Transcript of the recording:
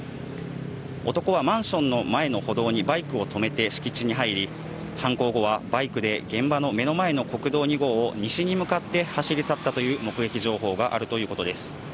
男はマンションの前の歩道にバイクを止めて敷地に入り、犯行後はバイクで現場の目の前の国道２号を、西に向かって走り去ったという目撃情報があるということです。